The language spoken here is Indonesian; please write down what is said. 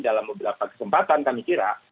dalam beberapa kesempatan kami kira